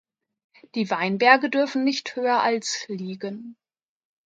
Die Weinberge dürfen nicht höher als liegen.